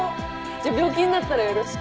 じゃあ病気になったらよろしく。